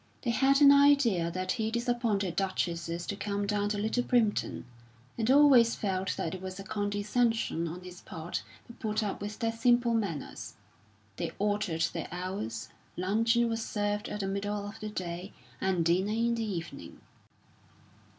They had an idea that he disappointed duchesses to come down to Little Primpton, and always felt that it was a condescension on his part to put up with their simple manners. They altered their hours; luncheon was served at the middle of the day, and dinner in the evening.